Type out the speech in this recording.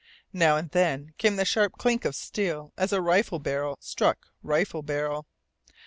Now and then came the sharp clink of steel as rifle barrel struck rifle barrel.